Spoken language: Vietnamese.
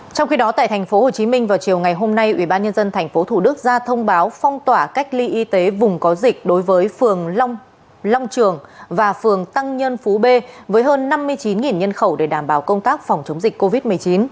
trong khi đó tại tp hcm vào chiều ngày hôm nay ubnd tp thủ đức ra thông báo phong tỏa cách ly y tế vùng có dịch đối với phường long trường và phường tăng nhân phú b với hơn năm mươi chín nhân khẩu để đảm bảo công tác phòng chống dịch covid một mươi chín